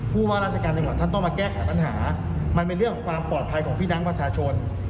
ว่าราชการจังหวัดท่านต้องมาแก้ไขปัญหามันเป็นเรื่องของความปลอดภัยของพี่น้องประชาชน